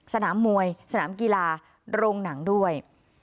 สนามมวยสนามกีฬาโรงหนังด้วย